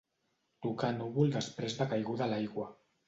Tocar a núvol després de caiguda l'aigua.